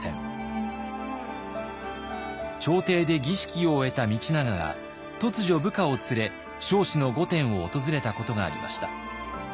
朝廷で儀式を終えた道長が突如部下を連れ彰子の御殿を訪れたことがありました。